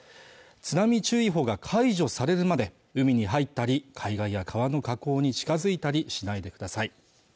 津波注意報が解除されるまで海に入ったり海岸や川の河口に近づいたりしないでください